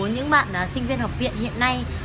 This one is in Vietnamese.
những bạn sinh viên học viện hiện nay